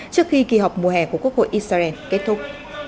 trước khi kỳ họp mùa hè của quốc hội israel kết thúc